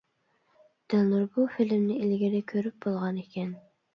دىلنۇر بۇ فىلىمنى ئىلگىرى كۆرۈپ بولغانىكەن.